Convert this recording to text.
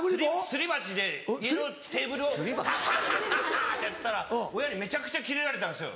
すり鉢で家のテーブルをハッハッハッハッハってやってたら親にめちゃくちゃキレられたんです。